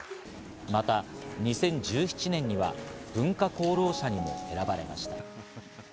また２０１７年には文化功労者にも選ばれました。